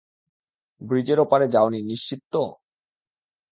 ব্রীজের ওপারে যাওনি নিশ্চিত তো?